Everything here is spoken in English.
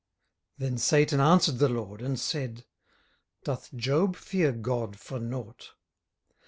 18:001:009 Then Satan answered the LORD, and said, Doth Job fear God for nought?